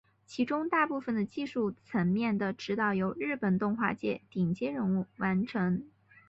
其中大部分的技术层面的指导由日本动画界顶尖人物完成。